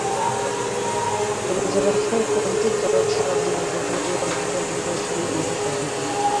রোজা রাখার ক্লান্তির কারণে সারা দিন মোটামুটি অনেকে আমরা শুয়ে-বসেই কাটিয়ে দিই।